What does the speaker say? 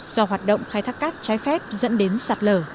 do hoạt động khai thác cát trái phép dẫn đến sạt lở